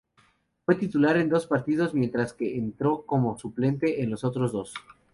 Fue titular en dos partidos mientras que entró como suplente en los otros dos.